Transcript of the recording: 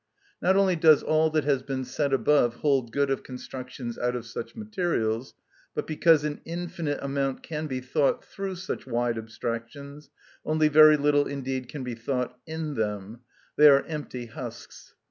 Not only does all that has been said above hold good of constructions out of such materials, but because an infinite amount can be thought through such wide abstractions, only very little indeed can be thought in them; they are empty husks.